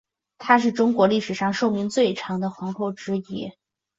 她是中国历史上寿命最长的皇后之一。